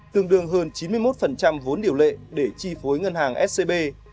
tương đương hơn chín mươi một vốn điều lệ để chi phối ngân hàng scb